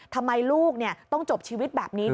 ทำไมลูกต้องจบชีวิตแบบนี้